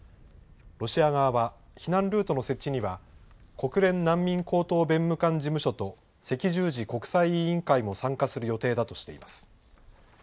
ロシア側は、避難ルートの設置には、国連難民高等弁務官事務所と赤十字国際委員会も参加する予定だとしています。